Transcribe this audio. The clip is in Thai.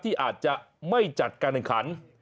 ที่อาจจะไม่จัดการแข่งขัน